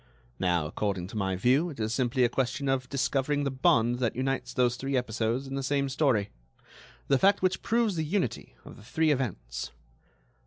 Now, according to my view, it is simply a question of discovering the bond that unites those three episodes in the same story—the fact which proves the unity of the three events.